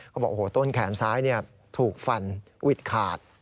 เขาบอกโอ้โหต้นแขนซ้ายถูกฟันวิดขาด